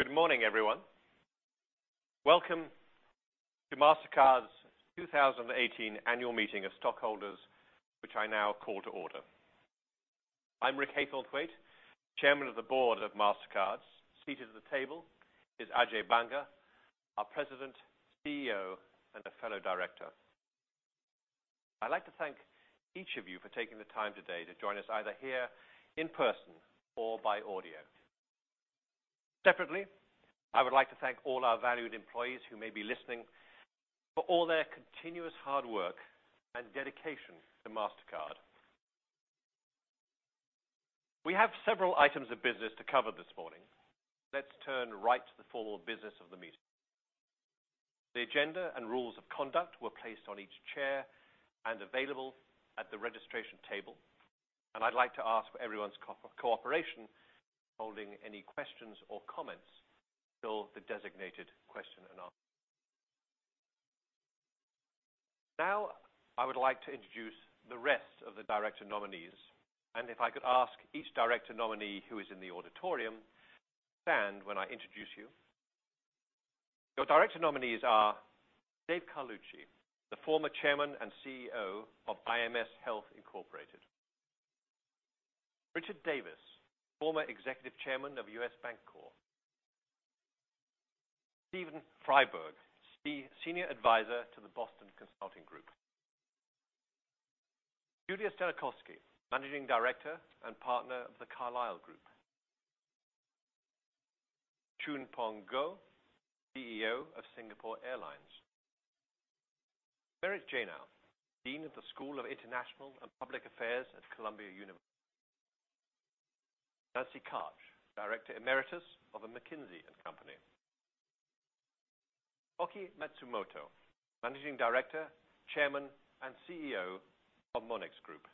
Good morning, everyone. Welcome to Mastercard's 2018 annual meeting of stockholders, which I now call to order. I'm Rick Haythornthwaite, Chairman of the Board of Mastercard. Seated at the table is Ajay Banga, our President, CEO, and a fellow director. I'd like to thank each of you for taking the time today to join us either here in person or by audio. Separately, I would like to thank all our valued employees who may be listening for all their continuous hard work and dedication to Mastercard. We have several items of business to cover this morning. Let's turn right to the formal business of the meeting. The agenda and rules of conduct were placed on each chair and available at the registration table, and I'd like to ask for everyone's cooperation in holding any questions or comments till the designated question and answer. Now, I would like to introduce the rest of the director nominees, and if I could ask each director nominee who is in the auditorium to stand when I introduce you. Your director nominees are Dave Carlucci, the former Chairman and CEO of IMS Health Incorporated; Richard Davis, former Executive Chairman of U.S. Bancorp; Steven Freiberg, Senior Advisor to the Boston Consulting Group; Julius Genachowski, Managing Director and Partner of The Carlyle Group; Choon Phong Goh, CEO of Singapore Airlines; Merit Janow, Dean of the School of International and Public Affairs at Columbia University; Nancy Karch, Director Emeritus of the McKinsey & Company; Oki Matsumoto, Managing Director, Chairman, and CEO of Monex Group;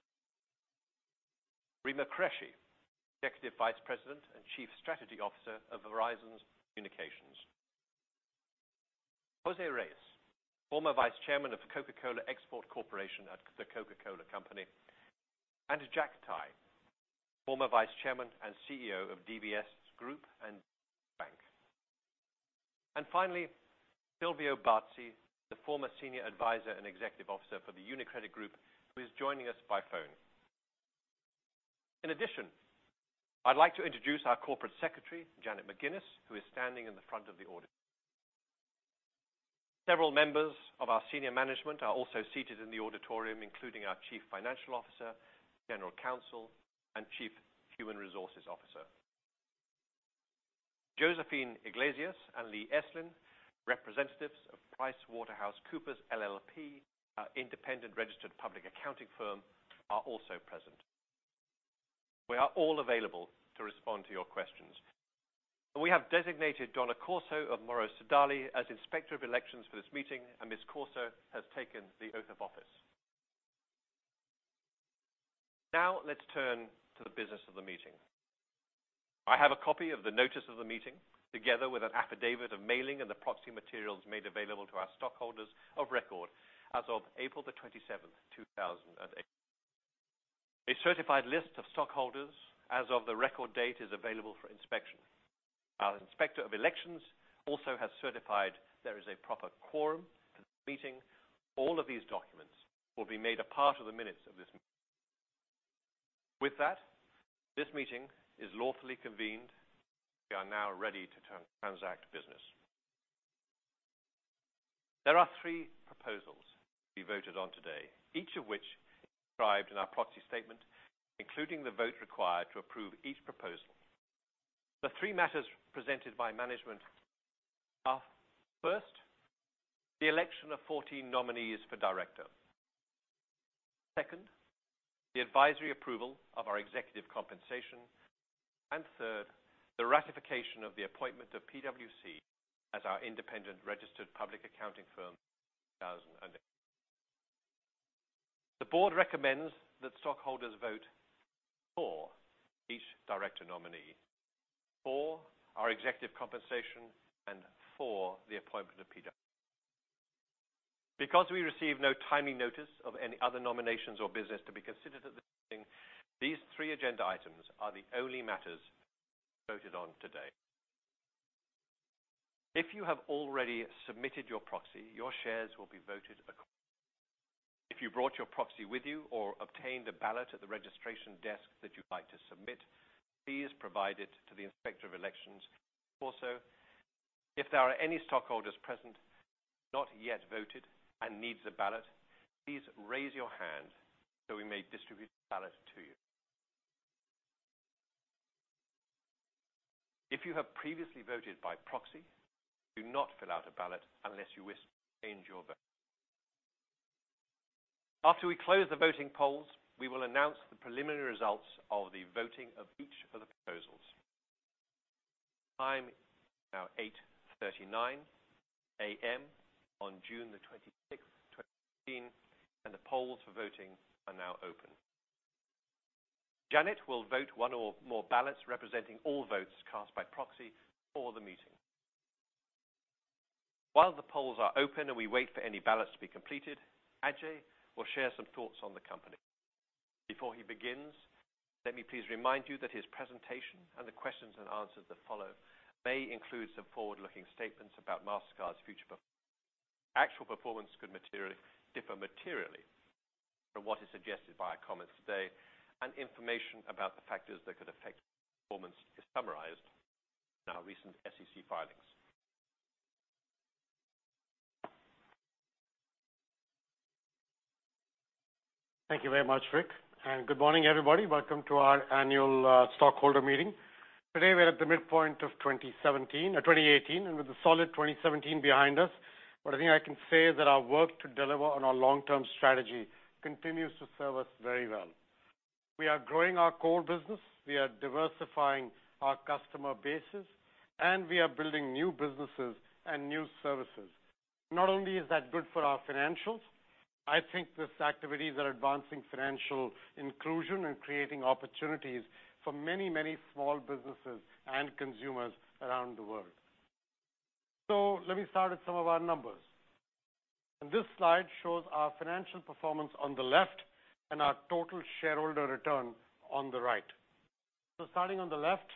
Rima Qureshi, Executive Vice President and Chief Strategy Officer of Verizon Communications; Jose Reyes, former Vice Chairman of The Coca-Cola Export Corporation at The Coca-Cola Company; Jack Tai, former Vice Chairman and CEO of DBS Group and Bank. Finally, Silvio Barzi, the former Senior Advisor and Executive Officer for the UniCredit Group, who is joining us by phone. In addition, I'd like to introduce our Corporate Secretary, Janet McGinnis, who is standing in the front of the auditorium. Several members of our senior management are also seated in the auditorium, including our Chief Financial Officer, General Counsel, and Chief Human Resources Officer. Josephine Iglesias and Lee Eslin, representatives of PricewaterhouseCoopers LLP, our independent registered public accounting firm, are also present. We are all available to respond to your questions. We have designated Donna Corso of Morrow Sodali as Inspector of Elections for this meeting, and Ms. Corso has taken the oath of office. Now let's turn to the business of the meeting. I have a copy of the notice of the meeting, together with an affidavit of mailing and the proxy materials made available to our stockholders of record as of April the 27th, 2018. A certified list of stockholders as of the record date is available for inspection. Our Inspector of Elections also has certified there is a proper quorum for the meeting. All of these documents will be made a part of the minutes of this meeting. With that, this meeting is lawfully convened. We are now ready to transact business. There are three proposals to be voted on today, each of which is described in our proxy statement, including the vote required to approve each proposal. The three matters presented by management are, first, the election of 14 nominees for director; second, the advisory approval of our executive compensation; and third, the ratification of the appointment of PwC as our independent registered public accounting firm 2018. The board recommends that stockholders vote for each director nominee, for our executive compensation, and for the appointment of PwC. Because we received no timely notice of any other nominations or business to be considered at this meeting, these three agenda items are the only matters to be voted on today. If you have already submitted your proxy, your shares will be voted according. If you brought your proxy with you or obtained a ballot at the registration desk that you'd like to submit, please provide it to the Inspector of Elections. Also, if there are any stockholders present who have not yet voted and needs a ballot, please raise your hand so we may distribute a ballot to you. If you have previously voted by proxy, do not fill out a ballot unless you wish to change your vote. After we close the voting polls, we will announce the preliminary results of the voting of each of the proposals. The time is now 8:39 A.M. on June the 26th, 2018, and the polls for voting are now open. Janet will vote one or more ballots representing all votes cast by proxy for the meeting. While the polls are open and we wait for any ballots to be completed, Ajay will share some thoughts on the company. Before he begins, let me please remind you that his presentation and the questions and answers that follow may include some forward-looking statements about Mastercard's future. Actual performance could differ materially from what is suggested by our comments today, and information about the factors that could affect performance is summarized in our recent SEC filings. Thank you very much, Rick, and good morning, everybody. Welcome to our annual stockholder meeting. Today, we're at the midpoint of 2018, and with a solid 2017 behind us, what I think I can say is that our work to deliver on our long-term strategy continues to serve us very well. We are growing our core business, we are diversifying our customer bases, and we are building new businesses and new services. Not only is that good for our financials, I think these activities are advancing financial inclusion and creating opportunities for many small businesses and consumers around the world. Let me start with some of our numbers. This slide shows our financial performance on the left and our total shareholder return on the right. Starting on the left,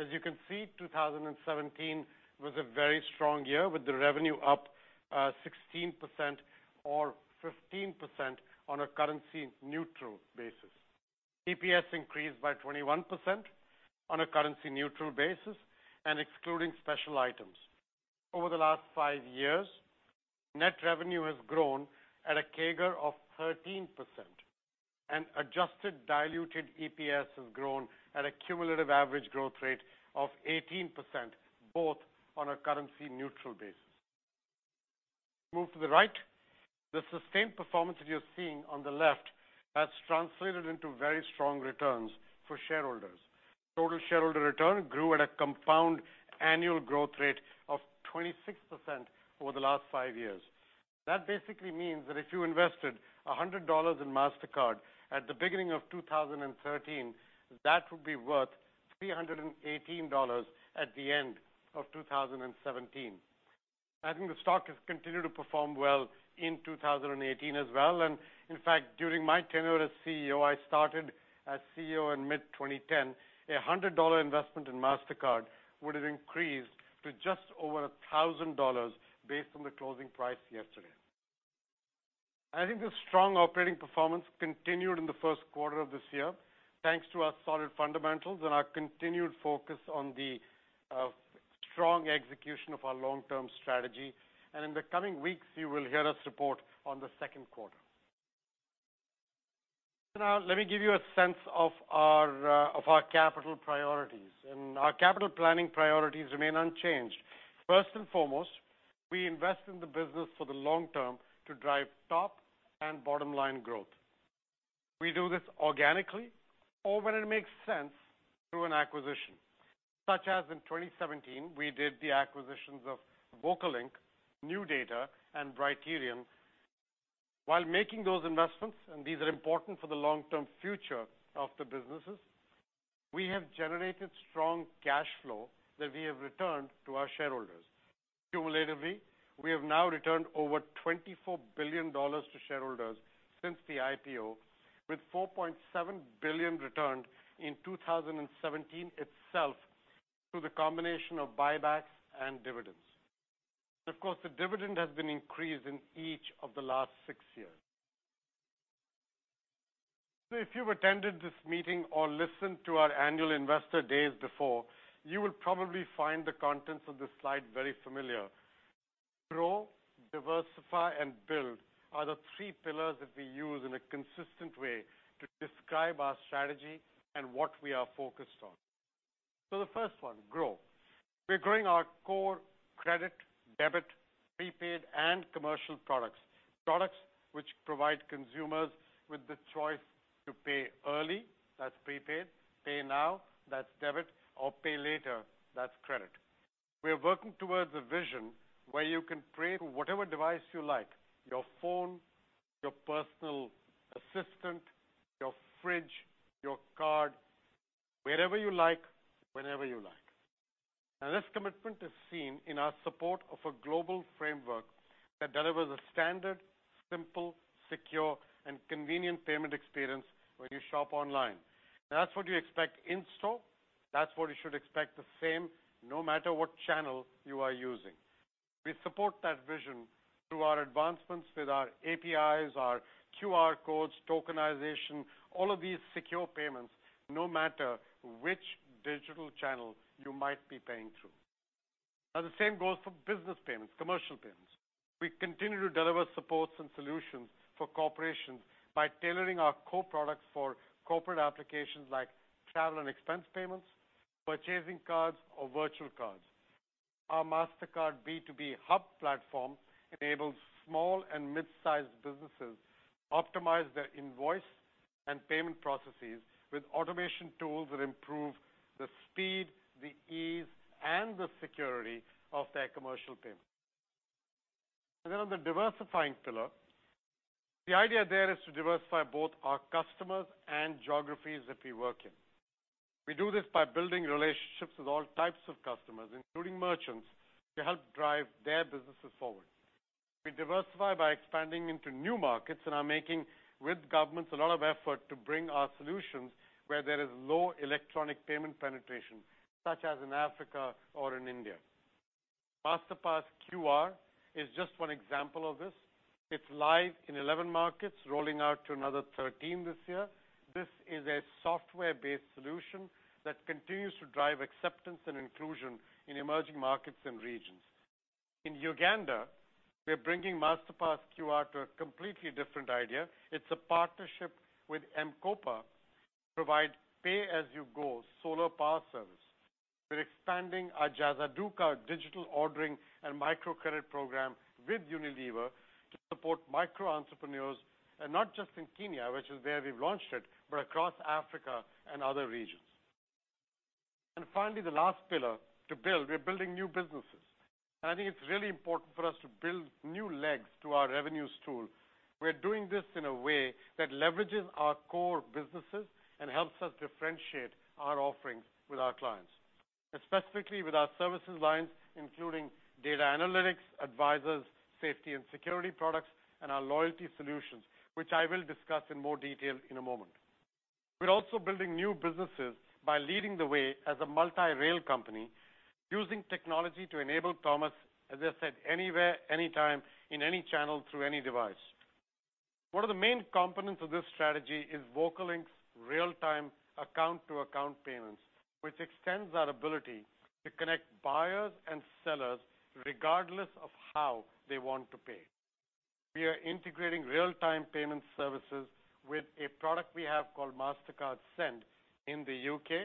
as you can see, 2017 was a very strong year, with the revenue up 16%, or 15% on a currency-neutral basis. EPS increased by 21% on a currency-neutral basis and excluding special items. Over the last five years, net revenue has grown at a CAGR of 13%, and adjusted diluted EPS has grown at a cumulative average growth rate of 18%, both on a currency-neutral basis. Move to the right. The sustained performance that you're seeing on the left has translated into very strong returns for shareholders. Total shareholder return grew at a compound annual growth rate of 26% over the last five years. That basically means that if you invested $100 in Mastercard at the beginning of 2013, that would be worth $318 at the end of 2017. I think the stock has continued to perform well in 2018 as well. In fact, during my tenure as CEO, I started as CEO in mid-2010, a $100 investment in Mastercard would have increased to just over $1,000 based on the closing price yesterday. I think the strong operating performance continued in the first quarter of this year, thanks to our solid fundamentals and our continued focus on the strong execution of our long-term strategy. In the coming weeks, you will hear us report on the second quarter. Let me give you a sense of our capital priorities. Our capital planning priorities remain unchanged. First and foremost, we invest in the business for the long term to drive top and bottom-line growth. We do this organically or when it makes sense, through an acquisition. Such as in 2017, we did the acquisitions of VocaLink, NuData, and Brighterion. While making those investments, these are important for the long-term future of the businesses, we have generated strong cash flow that we have returned to our shareholders. Cumulatively, we have now returned over $24 billion to shareholders since the IPO, with $4.7 billion returned in 2017 itself, through the combination of buybacks and dividends. Of course, the dividend has been increased in each of the last six years. If you've attended this meeting or listened to our annual investor days before, you will probably find the contents of this slide very familiar. Grow, diversify, and build are the three pillars that we use in a consistent way to describe our strategy and what we are focused on. The first one, grow. We're growing our core credit, debit, prepaid, and commercial products. Products which provide consumers with the choice to pay early, that's prepaid, pay now, that's debit, or pay later, that's credit. We are working towards a vision where you can pay through whatever device you like, your phone, your personal assistant, your fridge, your card. Wherever you like, whenever you like. This commitment is seen in our support of a global framework that delivers a standard, simple, secure, and convenient payment experience when you shop online. That's what you expect in-store. That's what you should expect the same, no matter what channel you are using. We support that vision through our advancements with our APIs, our QR codes, tokenization, all of these secure payments, no matter which digital channel you might be paying through. The same goes for business payments, commercial payments. We continue to deliver supports and solutions for corporations by tailoring our core products for corporate applications like travel and expense payments, purchasing cards, or virtual cards. Our Mastercard B2B Hub platform enables small and mid-sized businesses optimize their invoice and payment processes with automation tools that improve the speed, the ease, and the security of their commercial payments. On the diversifying pillar, the idea there is to diversify both our customers and geographies that we work in. We do this by building relationships with all types of customers, including merchants, to help drive their businesses forward. We diversify by expanding into new markets and are making, with governments, a lot of effort to bring our solutions where there is low electronic payment penetration, such as in Africa or in India. Masterpass QR is just one example of this. It's live in 11 markets, rolling out to another 13 this year. This is a software-based solution that continues to drive acceptance and inclusion in emerging markets and regions. In Uganda, we are bringing Masterpass QR to a completely different idea. It's a partnership with M-KOPA to provide pay-as-you-go solar power service. We're expanding our Jaza Duka digital ordering and microcredit program with Unilever to support micro-entrepreneurs, not just in Kenya, which is where we've launched it, but across Africa and other regions. The last pillar to build, we're building new businesses. I think it's really important for us to build new legs to our revenues stool. We're doing this in a way that leverages our core businesses and helps us differentiate our offerings with our clients, and specifically with our services lines, including data analytics, advisors, safety and security products, and our loyalty solutions, which I will discuss in more detail in a moment. We're also building new businesses by leading the way as a multi-rail company using technology to enable commerce, as I said, anywhere, anytime, in any channel through any device. One of the main components of this strategy is VocaLink's real-time account-to-account payments, which extends our ability to connect buyers and sellers regardless of how they want to pay. We are integrating real-time payment services with a product we have called Mastercard Send in the U.K.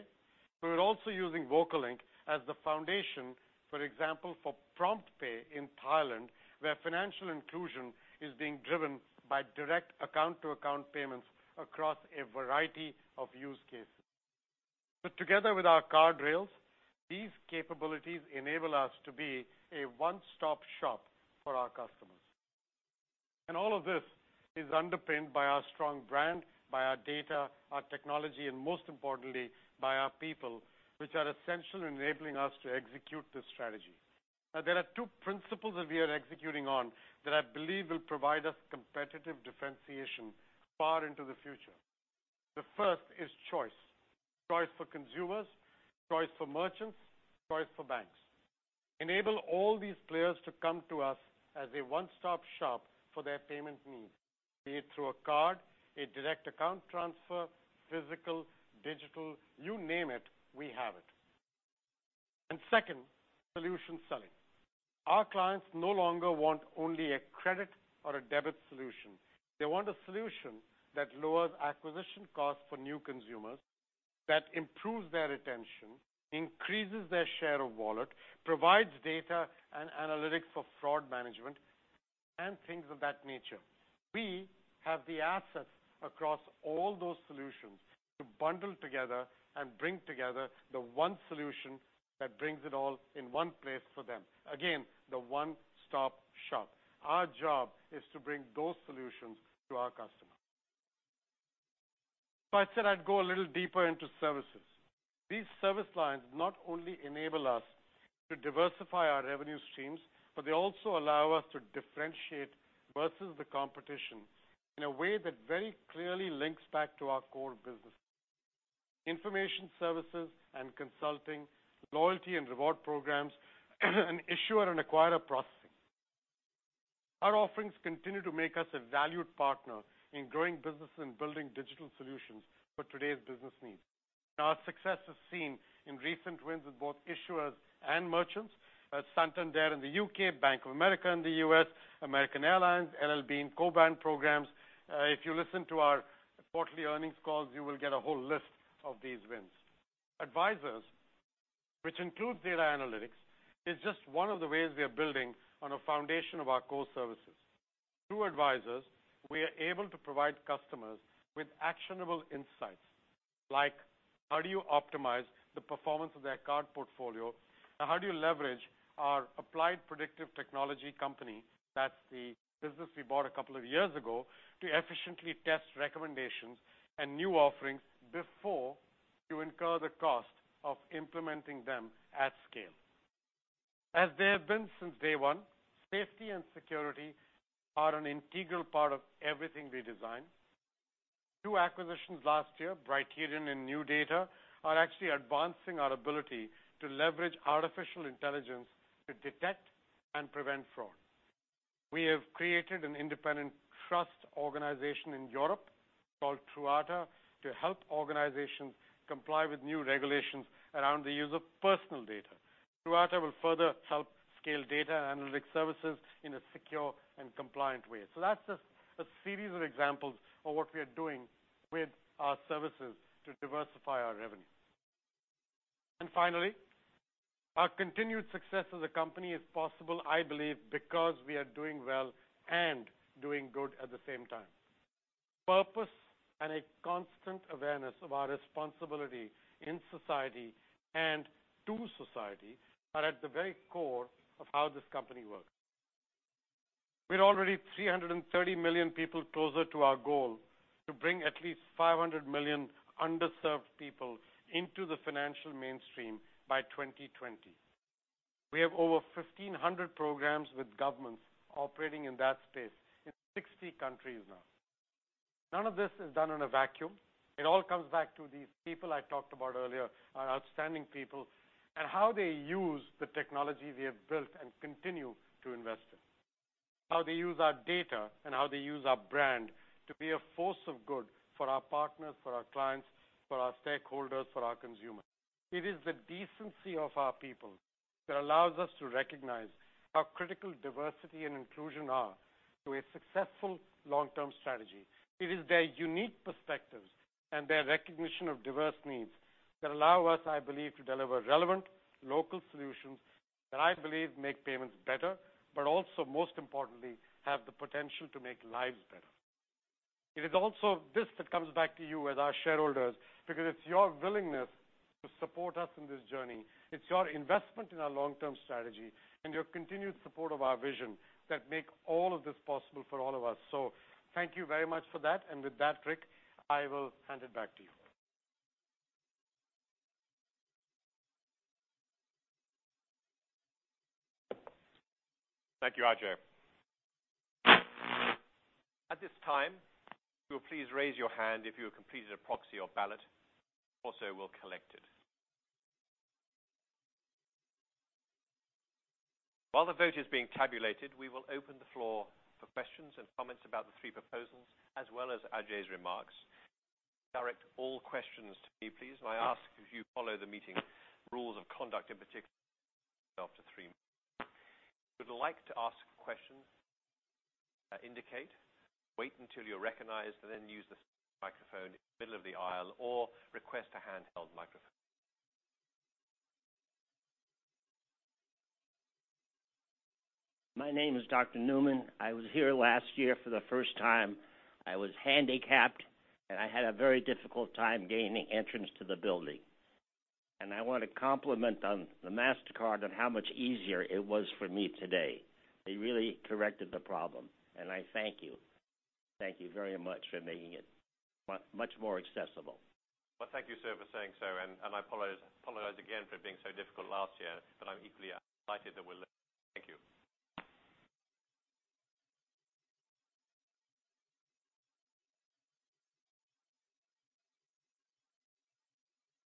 We're also using VocaLink as the foundation, for example, for PromptPay in Thailand, where financial inclusion is being driven by direct account-to-account payments across a variety of use cases. Together with our card rails, these capabilities enable us to be a one-stop shop for our customers. All of this is underpinned by our strong brand, by our data, our technology, and most importantly, by our people, which are essential in enabling us to execute this strategy. There are two principles that we are executing on that I believe will provide us competitive differentiation far into the future. The first is choice. Choice for consumers, choice for merchants, choice for banks. Enable all these players to come to us as a one-stop shop for their payment needs, be it through a card, a direct account transfer, physical, digital, you name it, we have it. Second, solution selling. Our clients no longer want only a credit or a debit solution. They want a solution that lowers acquisition costs for new consumers, that improves their retention, increases their share of wallet, provides data and analytics for fraud management, and things of that nature. We have the assets across all those solutions to bundle together and bring together the one solution that brings it all in one place for them. Again, the one-stop shop. Our job is to bring those solutions to our customers. I said I'd go a little deeper into services. These service lines not only enable us to diversify our revenue streams, but they also allow us to differentiate versus the competition in a way that very clearly links back to our core business. Information services and consulting, loyalty and reward programs, and issuer and acquirer processing. Our offerings continue to make us a valued partner in growing businesses and building digital solutions for today's business needs. Our success is seen in recent wins with both issuers and merchants at Santander in the U.K., Bank of America in the U.S., American Airlines, and L.L. Bean co-brand programs. If you listen to our quarterly earnings calls, you will get a whole list of these wins. Advisors, which includes data analytics, is just one of the ways we are building on a foundation of our core services. Through Advisors, we are able to provide customers with actionable insights, like how do you optimize the performance of their card portfolio? How do you leverage our applied predictive technology company, that's the business we bought a couple of years ago, to efficiently test recommendations and new offerings before you incur the cost of implementing them at scale. As they have been since day one, safety and security are an integral part of everything we design. Two acquisitions last year, Brighterion and NuData Security, are actually advancing our ability to leverage artificial intelligence to detect and prevent fraud. We have created an independent trust organization in Europe called Truata to help organizations comply with new regulations around the use of personal data. Truata will further help scale data analytic services in a secure and compliant way. That's just a series of examples of what we are doing with our services to diversify our revenue. Finally, our continued success as a company is possible, I believe, because we are doing well and doing good at the same time. Purpose and a constant awareness of our responsibility in society and to society are at the very core of how this company works. We're already 330 million people closer to our goal to bring at least 500 million underserved people into the financial mainstream by 2020. We have over 1,500 programs with governments operating in that space in 60 countries now. None of this is done in a vacuum. It all comes back to these people I talked about earlier, our outstanding people, and how they use the technology we have built and continue to invest in. How they use our data, and how they use our brand to be a force of good for our partners, for our clients, for our stakeholders, for our consumers. It is the decency of our people that allows us to recognize how critical diversity and inclusion are to a successful long-term strategy. It is their unique perspectives and their recognition of diverse needs that allow us, I believe, to deliver relevant local solutions that I believe make payments better, but also, most importantly, have the potential to make lives better. It is also this that comes back to you as our shareholders, because it's your willingness to support us in this journey. It's your investment in our long-term strategy and your continued support of our vision that make all of this possible for all of us. Thank you very much for that. With that, Rick, I will hand it back to you. Thank you, Ajay. At this time, if you will please raise your hand if you have completed a proxy or ballot. We'll collect it. While the vote is being tabulated, we will open the floor for questions and comments about the three proposals, as well as Ajay's remarks. Direct all questions to me, please. I ask if you follow the meeting rules of conduct, in particular, limit yourself to three minutes. If you would like to ask questions, indicate, wait until you're recognized, and then use this microphone in the middle of the aisle or request a handheld microphone. My name is Ariane Neumann. I was here last year for the first time. I was handicapped, and I had a very difficult time gaining entrance to the building. I want to compliment Mastercard on how much easier it was for me today. They really corrected the problem. I thank you. Thank you very much for making it much more accessible. Thank you, sir, for saying so. I apologize again for it being so difficult last year, but I'm equally delighted that we're listening. Thank you.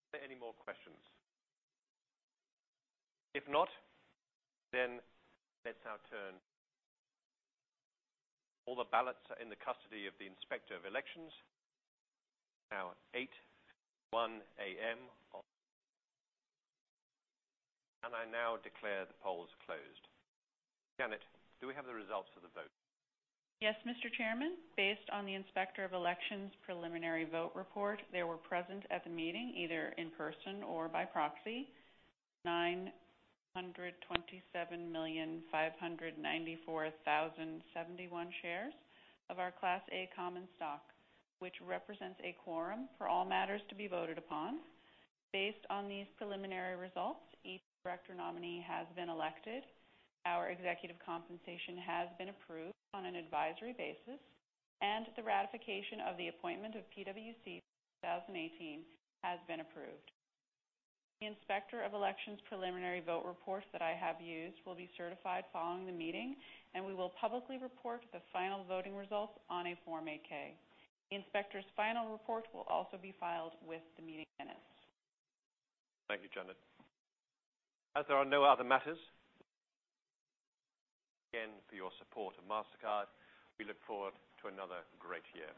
Are there any more questions? If not, let's now turn. All the ballots are in the custody of the Inspector of Elections. It is now 8:01 A.M. I now declare the polls closed. Janet, do we have the results of the vote? Yes, Mr. Chairman. Based on the Inspector of Elections' preliminary vote report, there were present at the meeting, either in person or by proxy, 927,594,071 shares of our Class A common stock, which represents a quorum for all matters to be voted upon. Based on these preliminary results, each director nominee has been elected, our executive compensation has been approved on an advisory basis, and the ratification of the appointment of PwC for 2018 has been approved. The Inspector of Elections' preliminary vote reports that I have used will be certified following the meeting, and we will publicly report the final voting results on a Form 8-K. The inspector's final report will also be filed with the meeting minutes. Thank you, Janet. As there are no other matters, thank you again for your support of Mastercard. We look forward to another great year.